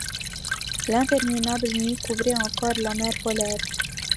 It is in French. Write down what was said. L’interminable nuit couvrait encore la mer polaire.